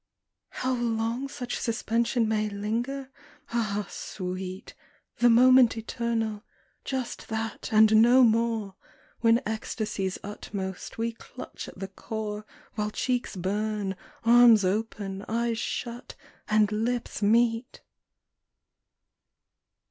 How long such suspension may linger? Ah, Sweet The moment eternal just that and no more When ecstasy's utmost we clutch at the core While cheeks burn, arms open, eyes shut and lips meet!